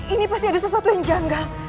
ini pasti ada sesuatu yang janggal